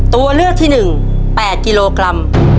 ตัวเลือกที่๑๘กิโลกรัม